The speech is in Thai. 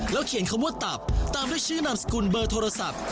เขียนคำว่าตับตามด้วยชื่อนามสกุลเบอร์โทรศัพท์